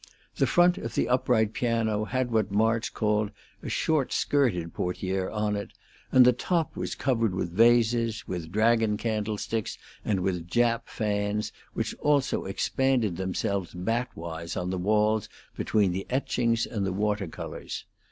The front of the upright piano had what March called a short skirted portiere on it, and the top was covered with vases, with dragon candlesticks and with Jap fans, which also expanded themselves bat wise on the walls between the etchings and the water colors.